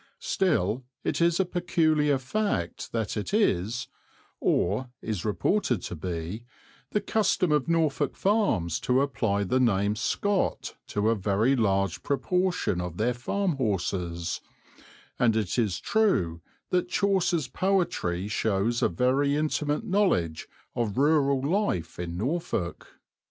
Still it is a peculiar fact that it is, or is reported to be, the custom of Norfolk farms to apply the name Scot to a very large proportion of their farm horses, and it is true that Chaucer's poetry shows a very intimate knowledge of rural life in Norfolk.